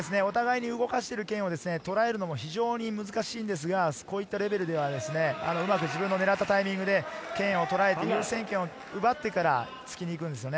動く剣をお互いに動かしている剣を捉えるのも非常に難しいんですが、こういったレベルではうまく自分を狙ったタイミングで剣をとらえて優先権を奪ってから突きに行くんですね。